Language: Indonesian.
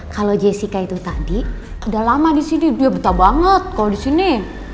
kalau jessica itu tadi udah lama disini dia betah banget kalau disini